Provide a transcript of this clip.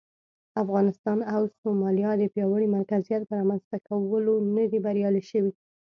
افغانستان او سومالیا د پیاوړي مرکزیت پر رامنځته کولو نه دي بریالي شوي.